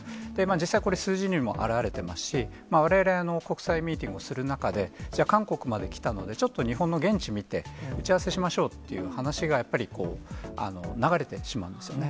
実際これ、数字にも表れてますし、われわれ、国際ミーティングをする中で、韓国まで来たので、ちょっと日本の現地見て、打ち合わせしようって話がやっぱり流れてしまうんですよね。